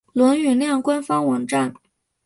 伦永亮官方网站